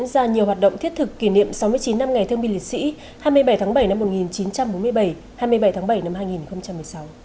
diễn ra nhiều hoạt động thiết thực kỷ niệm sáu mươi chín năm ngày thương binh liệt sĩ hai mươi bảy tháng bảy năm một nghìn chín trăm bốn mươi bảy hai mươi bảy tháng bảy năm hai nghìn một mươi sáu